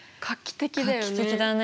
画期的だね。